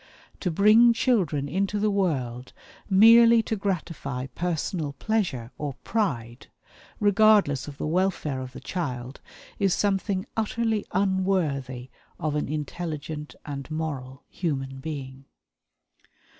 To bring children into the world merely to gratify personal pleasure or pride, regardless of the welfare of the child, is something utterly unworthy of an intelligent and moral human being.